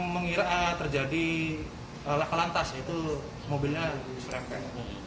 mengira terjadi lakalan tas itu mobilnya diserangkan